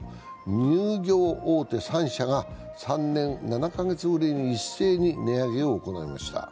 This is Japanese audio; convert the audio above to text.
乳業大手３社が３年７か月ぶりに一斉に値上げを行いました。